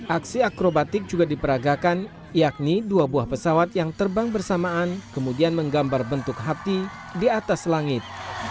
aksi akrobatik juga diperagakan yakni dua buah pesawat yang terbang bersamaan kemudian menggambar bentuk hati di atas langit